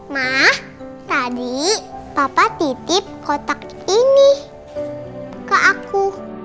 mah tadi papa titip kotak ini ke aku